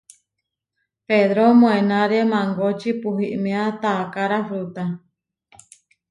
Pedró moenáre mangoči puhiméa taakára fruta.